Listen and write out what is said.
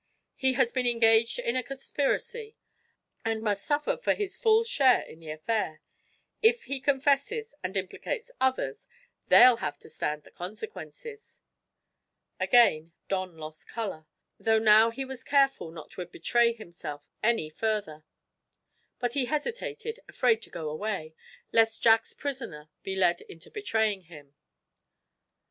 He has been engaged in a conspiracy, and must suffer for his full share in the affair. If he confesses, and implicates others, they'll have to stand the consequences." Again Don lost color, though now he was careful not to betray himself any further. But he hesitated, afraid to go away, lest Jack's prisoner be led into betraying him.